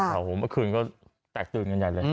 เมื่อคืนก็แตกตื่นกันใหญ่เลย